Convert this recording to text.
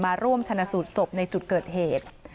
มาร่วมชนะสูตรศพในจุดเกิดเหตุ